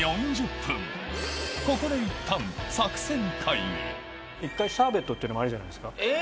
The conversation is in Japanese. ここでいったん一回シャーベットっていうのもありじゃないですか？